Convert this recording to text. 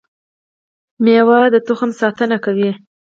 میوه د تخم ساتنه کوي